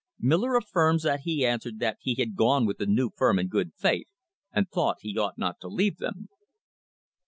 Miller affirms that he answered that he had gone with the new firm in good faith, and thought he ought not to leave them.